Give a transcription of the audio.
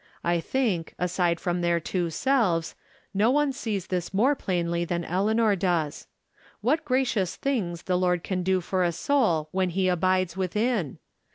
I think, aside from their two selves, no one sees this more plainly than Eleanor does. What gracious things the Lord can do for a soul when he abides within